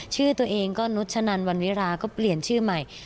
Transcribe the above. ชื่อตัวเองก็นุชนันวันวิราก็เปลี่ยนชื่อใหม่